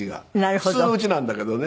普通の家なんだけどね。